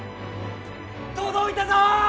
届いたぞ！